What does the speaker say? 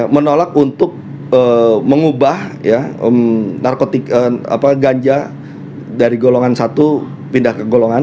menolak untuk mengubah narkotika ganja dari golongan satu pindah ke golongan